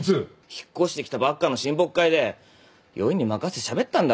引っ越してきたばっかの親睦会で酔いに任せてしゃべったんだろ？